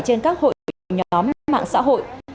trên các hội nhóm mạng xã hội